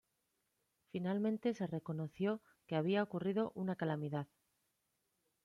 Finalmente se reconoció que había ocurrido una calamidad.